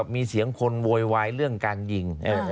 มีเสียงคนโวยวายเรื่องการยิง